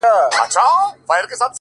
• ه ياره په ژړا نه کيږي ـ